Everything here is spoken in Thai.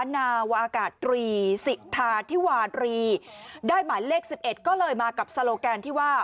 นาวอากาศตรีศิษย์ธาธิวารีได้หมายเลขสิบเอ็ดก็เลยมากับสโลแกนที่ว่า